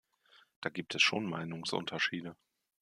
Da gibt es schon Meinungsunterschiede.